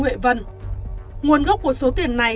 huệ vân nguồn gốc của số tiền này